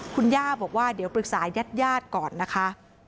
คุณย่าบอกว่าเดี๋ยวปรึกษายาดก่อนนะคะ